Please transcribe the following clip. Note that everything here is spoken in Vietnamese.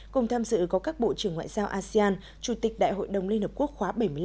cùng tham dự có các bộ trưởng ngoại giao asean chủ tịch đại hội đồng liên hợp quốc khóa bảy mươi năm